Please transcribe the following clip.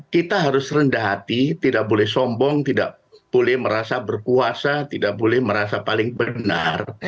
kita harus rendah hati tidak boleh sombong tidak boleh merasa berkuasa tidak boleh merasa paling benar